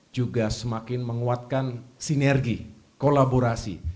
juga semakin menguatkan sinergi kolaborasi